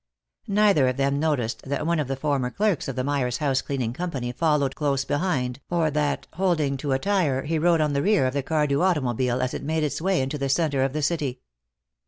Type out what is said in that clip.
Neither of them noticed that one of the former clerks of the Myers Housecleaning Company followed close behind, or that, holding to a tire, he rode on the rear of the Cardew automobile as it made its way into the center of the city.